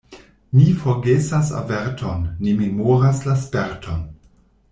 Ni forgesas averton, ni memoras la sperton.